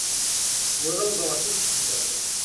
Bɣiɣ ad ẓreɣ kullec fell-am.